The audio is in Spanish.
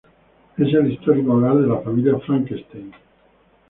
Es el histórico hogar de la familia Frankenstein.